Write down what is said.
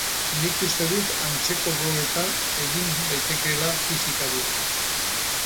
Nik uste dut antzeko gogoeta egin daitekeela fisikari buruz.